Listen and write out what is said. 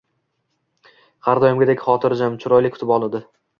Har doimgidek xotirjam, chiroyli kutib oldi